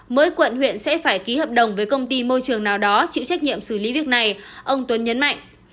mỗi quận huyện sẽ phải ký hợp đồng với công ty môi trường nào đó chịu trách nhiệm xử lý việc này ông tuấn nhấn mạnh